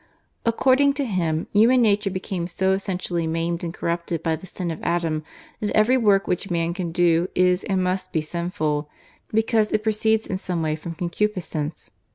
According to him, human nature became so essentially maimed and corrupted by the sin of Adam that every work which man can do is and must be sinful, because it proceeds in some way from concupiscence.